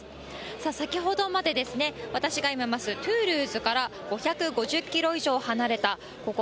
さあ、先ほどまで私が今います、トゥールーズから５５０キロ以上離れた、ここ、